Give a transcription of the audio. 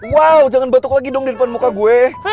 wow jangan batuk lagi dong di depan muka gue